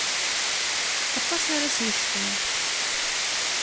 Aṭas ara s-yecfun.